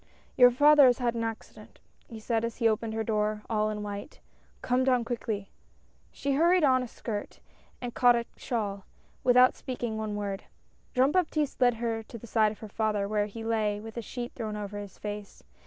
" Your father has had an accident," he said, as she opened her door, all in white. " Come down, quickly." She hurried on a skirt, and caught a shawl, without speaking one word. Jean Baptiste led her to the side of her father, where he lay with a sheet thrown over his face.